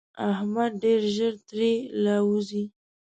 احمد ډېر ژر تر له وزي.